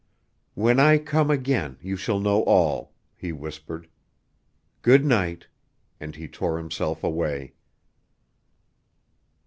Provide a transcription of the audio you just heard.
"When I come again you shall know all," he whispered; "good night!" and he tore himself away.